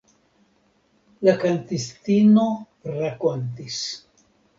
La kantistino rakontis.